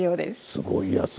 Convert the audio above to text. すごいやつだね。